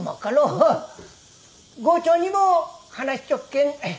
郷長にも話しちょっけん。